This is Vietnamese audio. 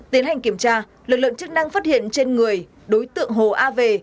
tiến hành kiểm tra lực lượng chức năng phát hiện trên người đối tượng hồ a về